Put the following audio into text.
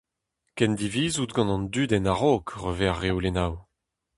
Kendivizout gant an dud en a-raok hervez ar reolennoù.